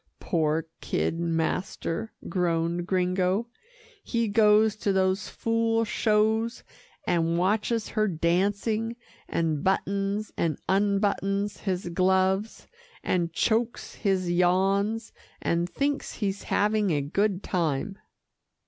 "Poor kid master," groaned Gringo, "he goes to those fool shows, and watches her dancing, and buttons and unbuttons his gloves, and chokes his yawns, and thinks he's having a good time."